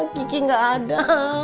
kiki gak ada